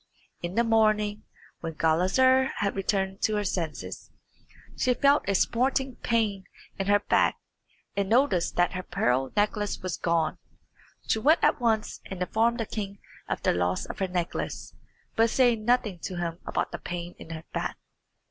In the morning, when Gulizar had returned to her senses, she felt a smarting pain in her back, and noticed that her pearl necklace was gone. She went at once and informed the king of the loss of her necklace, but said nothing to him about the pain in her back.